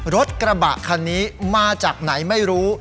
รถกระบะคันนี้มาจากไหนไม่รู้